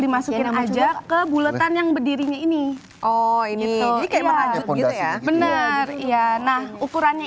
dimasukin aja ke buletan yang berdirinya ini oh ini kayaknya kondasi ya bener iya nah ukurannya